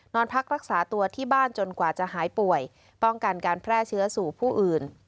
นอนพักรักษาตัวที่บ้านจนกว่าจะหายป่วยป้องกันการแพร่เชื้อสู่ผู้อื่น